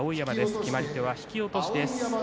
決まり手は引き落としです。